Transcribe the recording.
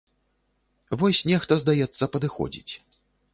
Вось нехта, здаецца, падыходзіць.